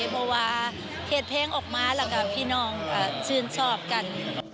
เพราะว่าเขียนเพลงออกมาแล้วก็พี่น้องชื่นชอบกัน